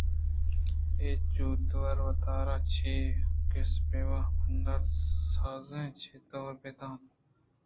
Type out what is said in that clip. اے چتور وتارا چہ اے گسءِ بد واہ ءُپندل سازاں چہ دور بہ رکّینیت